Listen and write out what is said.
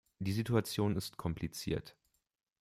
Die Situation ist kompliziert.